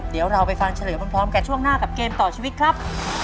เดี๋ยวเราไปฟังเฉลยพร้อมกันช่วงหน้ากับเกมต่อชีวิตครับ